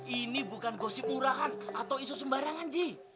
ini bukan gosip murahan atau isu sembarangan ji